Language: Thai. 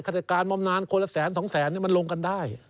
จากการบำนานคนละแสนสองแสนมันลงกันได้